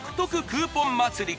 クーポン祭り